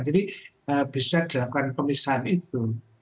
jadi bisa dilakukan pemisahan itu